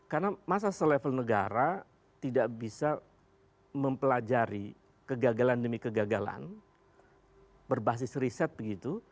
karena mas hasto level negara tidak bisa mempelajari kegagalan demi kegagalan berbasis riset begitu